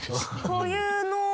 こういうのを。